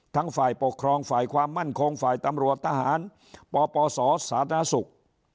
ฝ่ายปกครองฝ่ายความมั่นคงฝ่ายตำรวจทหารปปศสาธารณสุข